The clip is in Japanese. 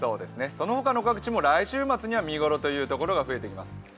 その他のところも来週末には見頃のところが増えてきそうです。